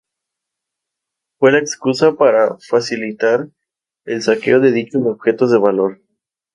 Esa fue la excusa para facilitar el saqueo de dichos objetos de valor.